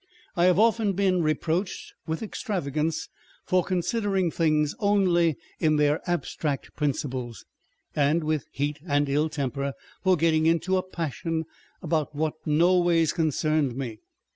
I have often been reproached with extravagance for considering things only in their abstract principles, and with heat and ill temper, for getting into a passion about what no ways concerned me.